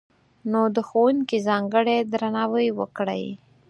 نو، د ښوونکي ځانګړی درناوی وکړئ!